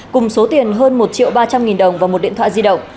cùng số tiền hơn một triệu ba trăm linh nghìn đồng và một điện thoại di động